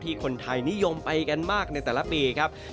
คนไทยนิยมไปกันมากในแต่ละปีครับ